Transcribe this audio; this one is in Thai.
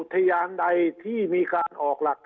คราวนี้เจ้าหน้าที่ป่าไม้รับรองแนวเนี่ยจะต้องเป็นหนังสือจากอธิบดี